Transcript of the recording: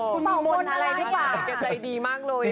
คุณมีมนต์อะไรหรือเปล่า